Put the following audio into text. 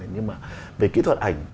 nhưng mà về kỹ thuật ảnh